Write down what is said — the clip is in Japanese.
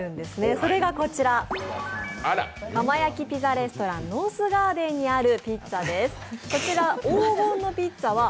それがこちら、窯焼きピザレストランノースガーデンにあるピッツァです。